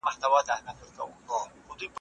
تاسو د اصفهان د قصرونو نقشه چمتو کړئ.